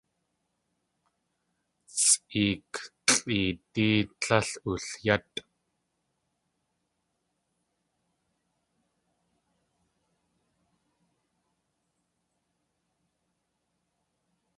Sʼeek lʼeedí tléil ulyátʼ.